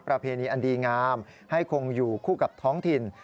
ประเพณีอันดีงามให้คงอยู่คู่กับท้องถิ่น